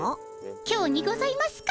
今日にございますか？